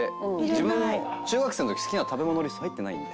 自分の中学生の時好きな食べ物リスト入ってないんで。